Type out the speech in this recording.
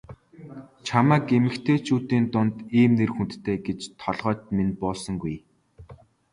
Чамайг эмэгтэйчүүдийн дунд ийм нэр хүндтэй гэж толгойд минь буусангүй.